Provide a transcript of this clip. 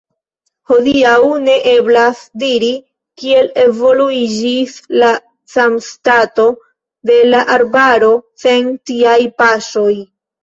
Hodiaŭ ne eblas diri, kiel evoluiĝis la sanstato de la arbaro sen tiaj paŝoj.